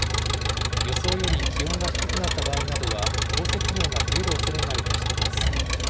予想より気温が低くなった場合などは、降雪量が増えるおそれがあるとしています。